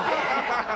ハハハハ！